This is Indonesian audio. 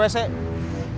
bisa gak cari wc